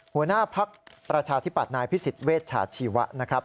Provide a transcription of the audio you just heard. หัวหน้าภักดิ์ประชาธิบัตินายพิสิทธิเวชชาชีวะนะครับ